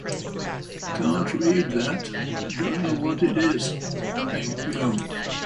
W'aw'ekoroswa ni mbogha kedi.